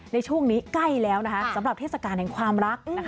ในช่วงนี้ใกล้แล้วสำหรับเทศกาลแห่งความรัก